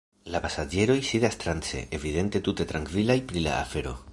La pasaĝeroj sidas trance, evidente tute trankvilaj pri la afero.